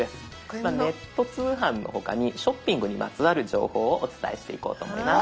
ネット通販のほかにショッピングにまつわる情報をお伝えしていこうと思います。